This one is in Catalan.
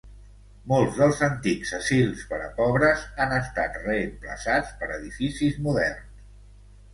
Molts dels antics asils per a pobres han estat reemplaçats per edificis moderns.